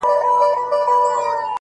هغه مي سايلينټ سوي زړه ته!